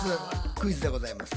クイズでございます。